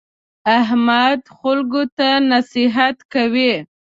احمد خلکو ته نصیحت کوي.